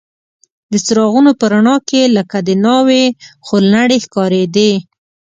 د څراغونو په رڼا کې لکه د ناوې خورلڼې ښکارېدې.